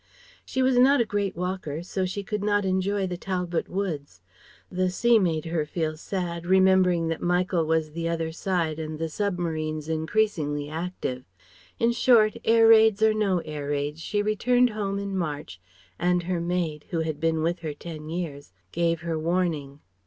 She was not a great walker so she could not enjoy the Talbot woods; the sea made her feel sad, remembering that Michael was the other side and the submarines increasingly active: in short, air raids or no air raids, she returned home in March, and her maid, who had been with her ten years, gave her warning.